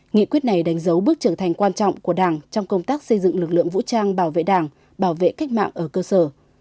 nghị quyết này đánh dấu bước trưởng thành quan trọng của đảng trong công tác xây dựng lực lượng vũ trang bảo vệ đảng bảo vệ cách mạng ở cơ sở